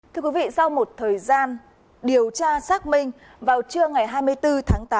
thưa quý vị sau một thời gian điều tra xác minh vào trưa ngày hai mươi bốn tháng tám